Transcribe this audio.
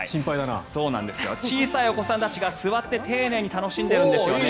小さいお子さんたちが座って丁寧に楽しんでいるんです。